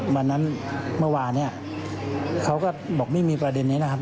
วันนั้นเมื่อวานเนี่ยเขาก็บอกไม่มีประเด็นนี้นะครับ